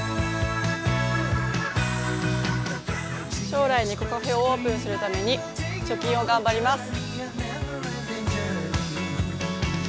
将来、猫カフェをオープンするために貯金を頑張ります。